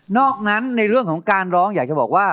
อกนั้นในเรื่องของการร้องอยากจะบอกว่า